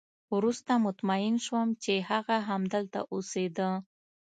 وروسته مطمئن شوم چې هغه همدلته اوسېده